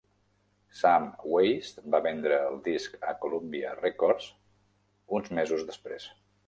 Sam Weiss va vendre el disc a Columbia Records uns mesos després.